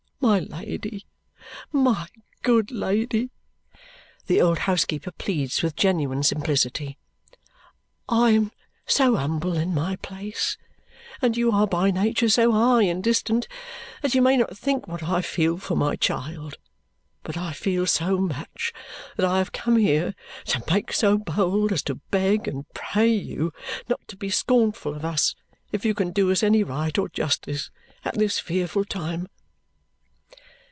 My Lady, my good Lady," the old housekeeper pleads with genuine simplicity, "I am so humble in my place and you are by nature so high and distant that you may not think what I feel for my child, but I feel so much that I have come here to make so bold as to beg and pray you not to be scornful of us if you can do us any right or justice at this fearful time!"